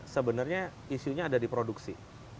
sebenarnya isunya ada di produksi